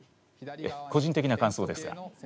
個人的な感想ですが。